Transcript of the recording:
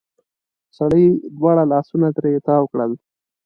سړې دواړه لاسونه ترې تاو کړل.